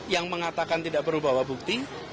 yang mengatakan tidak perlu bawa bukti